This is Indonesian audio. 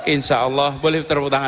insya allah boleh terputang